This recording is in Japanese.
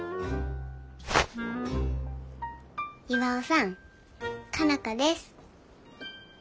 巌さん佳奈花です。